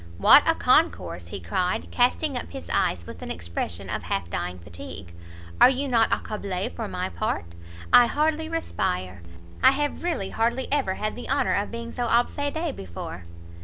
"What a concourse!" he cried, casting up his eyes with an expression of half dying fatigue, "are you not accablé? for my part, I hardly respire. I have really hardly ever had the honour of being so obsedé before."